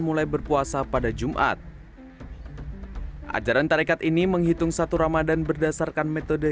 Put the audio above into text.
mulai berpuasa pada jumat ajaran tarekat ini menghitung satu ramadhan berdasarkan metode